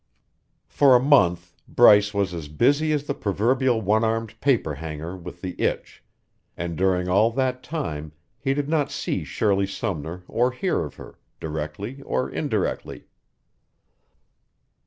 For a month Bryce was as busy as the proverbial one armed paper hanger with the itch, and during all that time he did not see Shirley Sumner or hear of her, directly or indirectly.